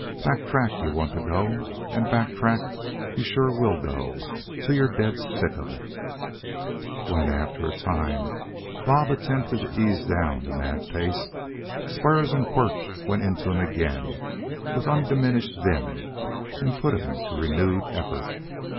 "Back track you want to go, and back track you sure will go till you're dead sick of it." When, after a time, Bob attempted to ease down the mad pace, spurs and quirt went into him again with undiminished vim and put him to renewed effort.